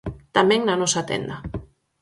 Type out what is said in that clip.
Tamén na nosa tenda.